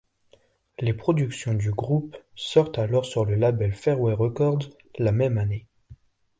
Les productions du groupe sortent alors sur le label Fairway Records la même année.